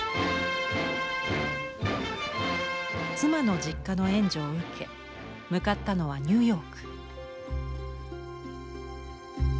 妻の実家の援助を受け向かったのはニューヨーク。